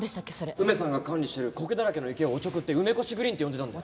梅さんが管理してる苔だらけの池をおちょくって梅越グリーンって呼んでたんだよ。